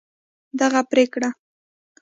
دغه پرېکړه